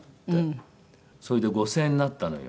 それで５０００円になったのよ。